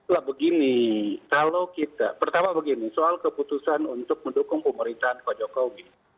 lah begini kalau kita pertama begini soal keputusan untuk mendukung pemerintahan pak jokowi